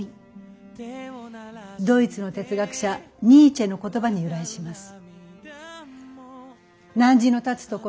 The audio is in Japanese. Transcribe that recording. ドイツの哲学者ニーチェの言葉に由来します。